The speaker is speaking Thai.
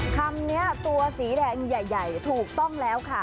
คำนี้ตัวสีแดงใหญ่ถูกต้องแล้วค่ะ